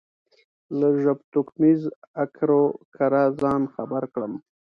له ژبتوکمیز اکر و کره ځان خبر کړم.